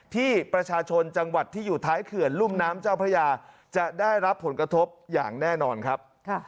ที่ประชาชนจังหวัดที่อยู่ท้ายเขื่อนรุ่มน้ำเจ้าพระยาจะได้รับผลกระทบอย่างแน่นอนครับ